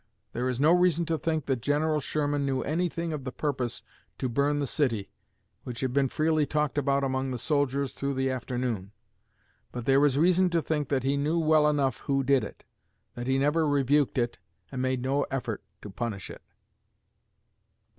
There is no reason to think that General Sherman knew anything of the purpose to burn the city, which had been freely talked about among the soldiers through the afternoon. But there is reason to think that he knew well enough who did it, that he never rebuked it, and made no effort to punish it.